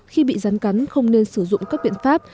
khi bị rắn cắn không nên sử dụng các biện pháp